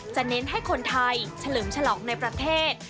เน้นให้คนไทยเฉลิมฉลองในประเทศ